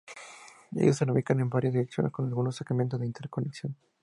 Ellos se ramifican en varias direcciones con algunos segmentos de interconexión.